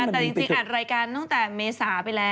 แต่จริงอัดรายการตั้งแต่เมษาไปแล้ว